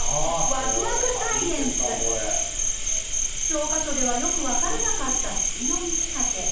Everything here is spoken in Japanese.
教科書ではよく分からなかった月の満ち欠け。